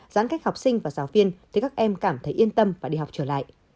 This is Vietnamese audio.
giãn cách học sinh và giáo viên thì các em cảm thấy yên tâm và đi học trở lại